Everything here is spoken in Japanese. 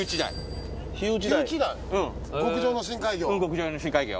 極上の深海魚。